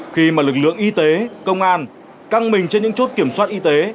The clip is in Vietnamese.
khi mà lực lượng y tế công an căng mình trên những chốt kiểm soát y tế